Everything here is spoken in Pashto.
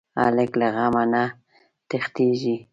هلک له غم نه تښتېږي نه.